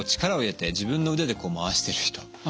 力を入れて自分の腕で回してる人。